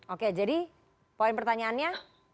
oke jadi poin pertanyaannya